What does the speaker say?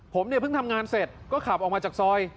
ผมเนี่ยเพิ่งทำงานเสร็จก็ขับออกมาจากซอย